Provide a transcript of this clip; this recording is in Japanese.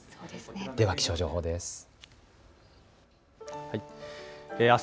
では気象情報です。